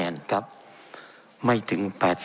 เป็นของสมาชิกสภาพภูมิแทนรัฐรนดร